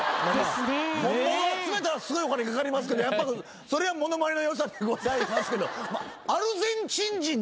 本物集めたらすごいお金かかりますけどそれはものまねの良さでございますけど。